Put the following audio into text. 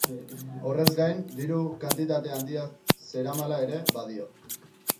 Horrez gain, diru-kantitate handia zeramala ere badio.